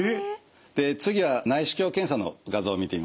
で次は内視鏡検査の画像を見てみましょうか。